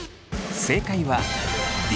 正解はＤ。